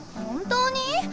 本当に？